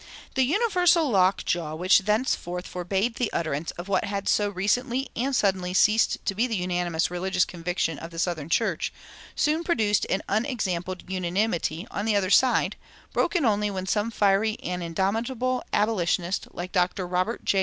The universal lockjaw which thenceforth forbade the utterance of what had so recently and suddenly ceased to be the unanimous religious conviction of the southern church soon produced an "unexampled unanimity" on the other side, broken only when some fiery and indomitable abolitionist like Dr. Robert J.